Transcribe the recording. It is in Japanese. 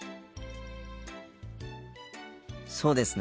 そうですね。